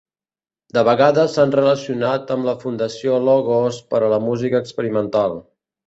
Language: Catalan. De vegades s'han relacionat amb la Fundació Logos per a la música experimental.